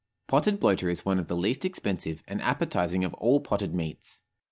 Potted bloater is one of the least expensive and appetizing of all potted meats.